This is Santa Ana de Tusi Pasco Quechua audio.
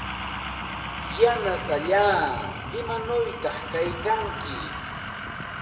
Yanasallaa, ¿imanawta kaykanki?